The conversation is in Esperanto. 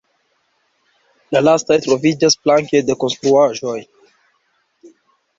La lastaj troviĝas flanke de konstruaĵoj.